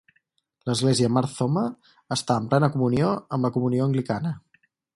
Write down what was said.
L'Església Mar Thoma està en plena comunió amb la Comunió anglicana.